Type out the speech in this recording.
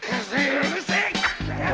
うるせえ‼